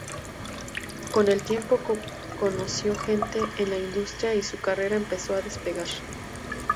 Con el tiempo conoció gente en la industria y su carrer empezó a despegar.